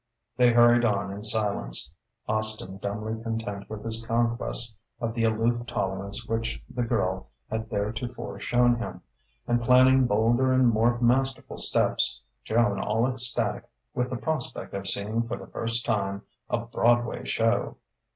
They hurried on in silence: Austin dumbly content with his conquest of the aloof tolerance which the girl had theretofore shown him, and planning bolder and more masterful steps; Joan all ecstatic with the prospect of seeing for the first time a "Broadway show"....